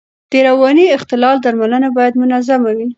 د رواني اختلال درملنه باید منظم وي.